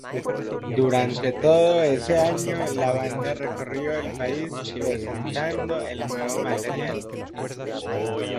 Durante todo ese año la banda recorrió el país presentando el nuevo material.